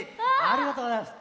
ありがとうございます。